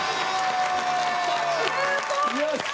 よし！